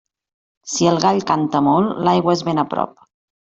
Si el gall canta molt, l'aigua és ben prop.